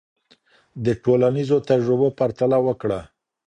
د ټولنیزو تجربو پرتله وکړه.